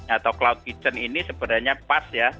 atau cloud kitchen ini sebenarnya pas ya